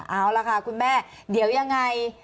เอาล่ะค่ะคุณแม่เดี๋ยวยังไง